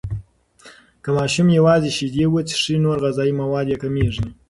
که ماشوم یوازې شیدې وڅښي، نور غذایي مواد یې کمیږي.